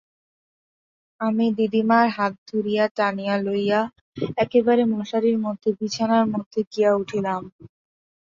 আমি দিদিমার হাত ধরিয়া টানিয়া লইয়া একেবারে মশারির মধ্যে বিছানার মধ্যে গিয়া উঠিলাম।